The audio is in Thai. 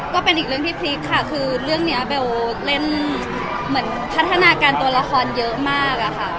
ก็เป็นอีกเรื่องที่พลิกค่ะคือเรื่องนี้เบลเล่นเหมือนพัฒนาการตัวละครเยอะมากอะค่ะ